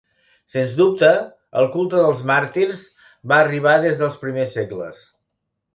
Sens dubte, el culte dels màrtirs va arribar des dels primers segles.